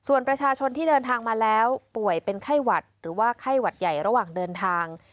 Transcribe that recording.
ส่วนประชาชนที่เดินทางมาแล้วป่วยเป็นไข้หวัดหรือว่าไข้หวัดใหญ่ระหว่างเดินทาง